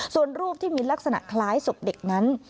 ส่วนรูปที่มีลักษณะคล้ายศพเด็กนั้น